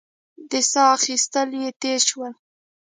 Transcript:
د سا اخېستل يې تېز شول.